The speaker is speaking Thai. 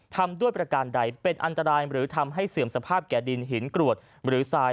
ทำด้วยประการใดเป็นอันตรายหรือทำให้เสื่อมสภาพแก่ดินหินกรวดหรือทราย